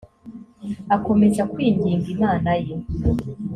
akomeza kwinginga imana ye